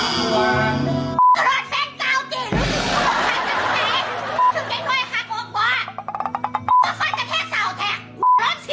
สิข้าวฮะนักฟังเทพโอหารแหนะ